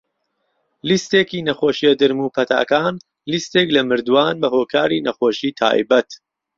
لیستێکی نەخۆشیە درم و پەتاکان - لیستێک لە مردووان بەهۆکاری نەخۆشی تایبەت.